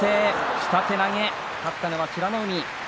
下手投げ勝ったのは美ノ海。